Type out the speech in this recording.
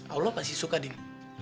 allah pasti suka dim